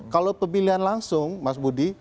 kalau pemilihan langsung mas budi